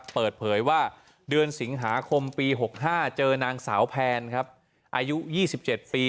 เปิดเผยว่าเดือนสิงหาคมปี๖๕เจอนางสาวแพนครับอายุ๒๗ปี